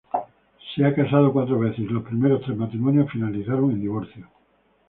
Se ha casado cuatro veces, y sus primeros tres matrimonios finalizaron en divorcio.